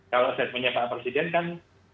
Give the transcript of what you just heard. kalau saya punya pak presiden kan